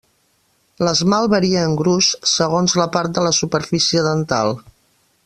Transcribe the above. L'esmalt varia en gruix segons la part de la superfície dental.